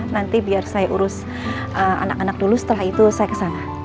nanti biar saya urus anak anak dulu setelah itu saya kesana